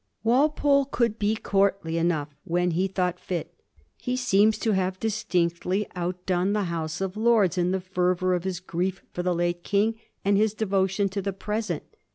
Walpole could be courtly enough when he thought fit. He seems to have distinctly outdone the House of Lords in the fervour of his grief for the late King and his devotion to the present.